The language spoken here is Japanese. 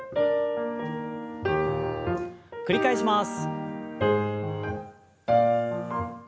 繰り返します。